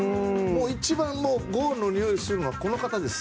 一番ゴールのにおいがするのはこの方です。